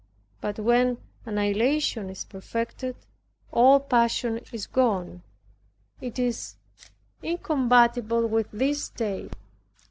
(But when annihilation is perfected all passion is gone it is incompatible with this state.)